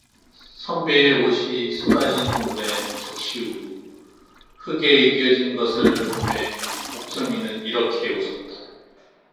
선비의 옷이 쏟아진 물에 적시우고 흙에 이겨진 것을 보매 옥점이는 이렇게 웃었다.